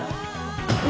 何？